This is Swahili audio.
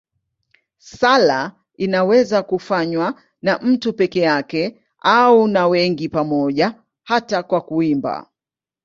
Sala inaweza kufanywa na mtu peke yake au na wengi pamoja, hata kwa kuimba.